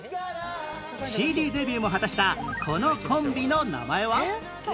ＣＤ デビューも果たしたこのコンビの名前は？